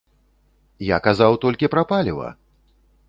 Я казаў толькі пра паліва!